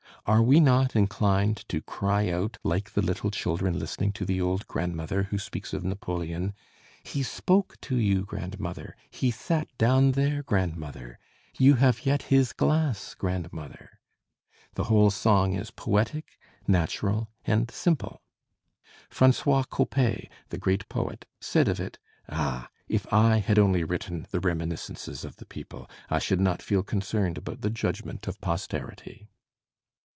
Are we not inclined to cry out, like the little children listening to the old grandmother who speaks of Napoleon: "He spoke to you, grandmother! He sat down there, grandmother! You have yet his glass, grandmother!" The whole song is poetic, natural, and simple. François Coppée, the great poet, said of it: "Ah! if I had only written 'The Reminiscences of the People,' I should not feel concerned about the judgment of posterity."